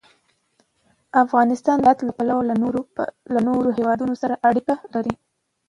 افغانستان د هرات له پلوه له نورو هېوادونو سره اړیکې لري.